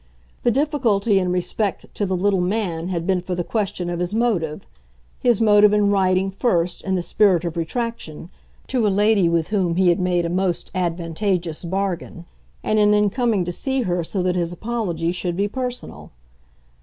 The difficulty in respect to the little man had been for the question of his motive his motive in writing, first, in the spirit of retraction, to a lady with whom he had made a most advantageous bargain, and in then coming to see her so that his apology should be personal.